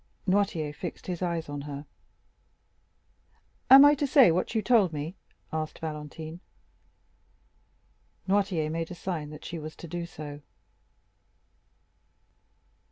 Noirtier fixed his eyes on her. "Am I to say what you told me?" asked Valentine. Noirtier made a sign that she was to do so.